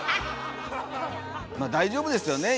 まあ大丈夫ですよね。